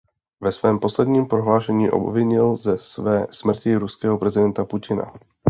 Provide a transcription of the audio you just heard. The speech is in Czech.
Ve svém posledním prohlášení obvinil ze své smrti ruského prezidenta Putina.